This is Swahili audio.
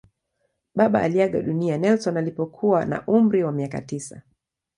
Baba aliaga dunia Nelson alipokuwa na umri wa miaka tisa.